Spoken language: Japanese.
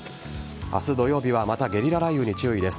明日土曜日はまたゲリラ雷雨に注意です。